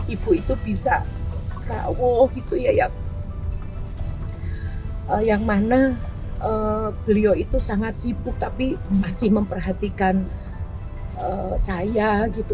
ibu itu bisa tahu gitu ya ya yang mana beliau itu sangat sibuk tapi masih memperhatikan saya gitu